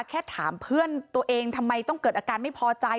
แค่ถามเพื่อนตัวเองทำไมต้องเกิดอาการไม่พอใจ